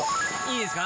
いいですか。